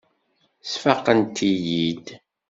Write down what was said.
Sfaqent-iyi-id.